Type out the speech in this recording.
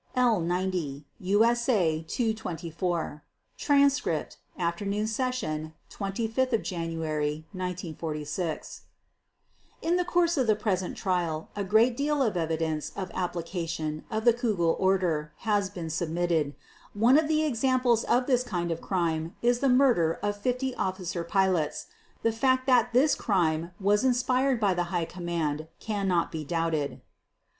(L 90, USA 224; Transcript, Afternoon Session, 25 January 1946) In the course of the present Trial a great deal of evidence of application of the "Kugel" order has been submitted. One of the examples of this kind of crime is the murder of 50 officer pilots. The fact that this crime was inspired by the High Command cannot be doubted.